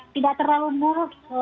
tidak terlalu mulus